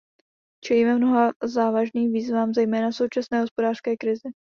Čelíme mnoha závažným výzvám, zejména současné hospodářské krizi.